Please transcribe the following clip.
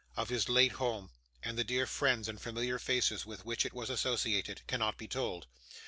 of his late home, and the dear friends and familiar faces with which it was associated, cannot be told.